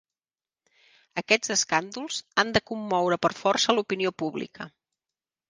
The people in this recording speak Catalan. Aquests escàndols han de commoure per força l'opinió pública.